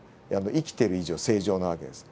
生きてる以上正常な訳です。